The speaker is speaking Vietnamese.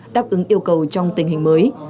đáp ứng yêu cầu trong tình hình mới